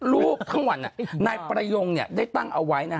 รูปทั้งวันนายประยงได้ตั้งเอาไว้นะฮะ